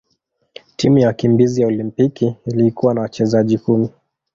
Timu ya wakimbizi ya Olimpiki ilikuwa na wachezaji kumi.